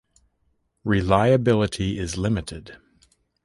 Reliability is limited.